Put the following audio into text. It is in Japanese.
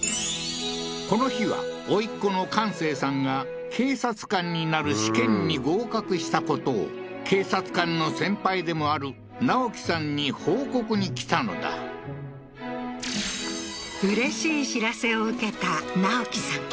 この日はおいっ子の貫生さんが警察官になる試験に合格したことを警察官の先輩でもある直樹さんに報告に来たのだうれしい知らせを受けた直樹さん